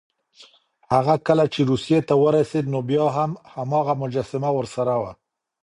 هغه کله چې روسيې ته ورسېد، نو بیا هم هماغه مجسمه ورسره وه.